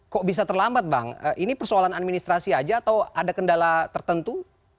kok bisa terlambat bang ini persoalan administrasi aja atau ada kendala tertentu